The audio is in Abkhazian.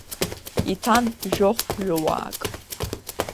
Иҭан жәохәҩыуаак.